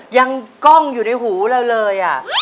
ยังก้องอยู่ในหูเรื่อยอะ